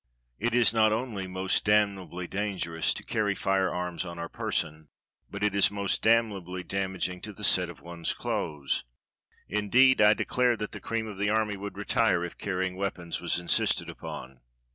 It is not only most damnably dangerous to carry fire SCYLLA OR CHAEYBDIS 273 arms on our person, but it is most damnably damaging to the set of one's clothes. Indeed, I declare that the cream of the army would retire if carrying weapons was insisted upon."